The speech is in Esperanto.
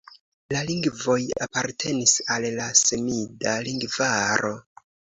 La lingvoj apartenis al la semida lingvaro.